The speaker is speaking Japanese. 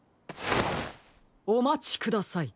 おまちください。